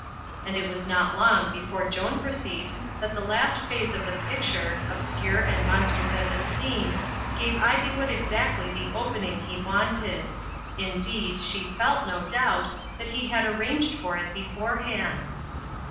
And it was not long before Joan perceived that the last phase of the picture, ob scure and monstrous as it seemed, gave Ivywood exact ly the opening he wanted. Indeed, she felt, no doubt, that he had arranged for it beforehand.